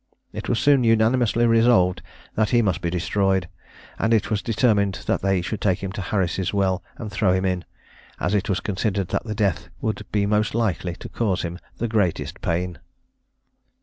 It was soon unanimously resolved that he must be destroyed, and it was determined that they should take him to Harris' well and throw him in, as it was considered that that death would be most likely to cause him the greatest pain.